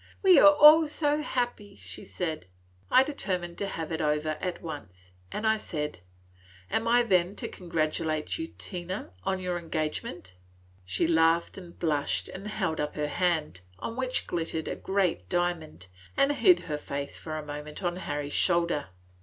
"We are all so happy!" she said. I determined to have it over at once, and I said, "Am I then to congratulate you, Tina, on your engagement?" She laughed and blushed, and held up her hand, on which glittered a great diamond, and hid her face for a moment on Harry's shoulder.